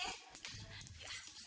iya bagus ya